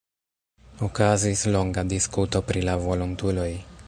Okazis longa diskuto pri la volontuloj.